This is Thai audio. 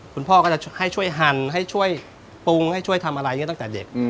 คุณพ่อก็จะให้ช่วยหั่นให้ช่วยปรุงให้ช่วยทำอะไรอย่างนี้ตั้งแต่เด็ก